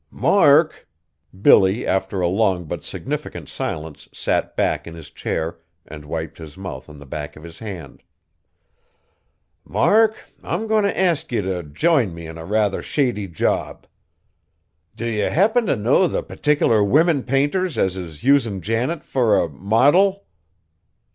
"Mark!" Billy after a long but significant silence sat back in his chair and wiped his mouth on the back of his hand, "Mark, I'm goin' t' ask ye t' jine me in a rather shady job. Do ye happen t' know the particular women painters as is usin' Janet fur a modil?"